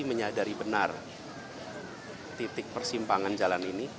menyadari benar titik persimpangan jalan ini